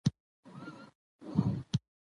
نو پلرونو او نورو به د خپل کور پېغلې په وياړ